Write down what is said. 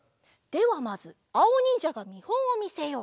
ではまずあおにんじゃがみほんをみせよう。